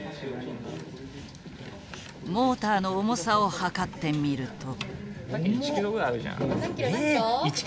モーターの重さを量ってみると。